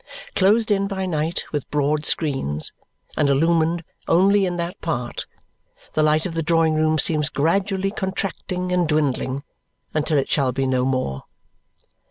Closed in by night with broad screens, and illumined only in that part, the light of the drawing room seems gradually contracting and dwindling until it shall be no more.